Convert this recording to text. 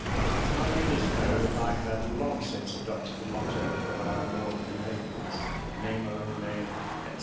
My readers know that I had long since adopted the motto of our northern neighbours, Nemo me, &c.